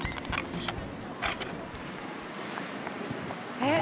えっ？